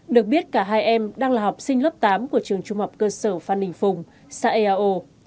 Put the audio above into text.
được biết cả hai em đang là học sinh lớp tám của trường trung học cơ sở phan đình phùng xã eao